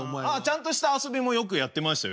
ちゃんとした遊びもよくやってましたよ。